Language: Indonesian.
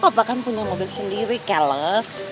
pak pak kan punya mobil sendiri keles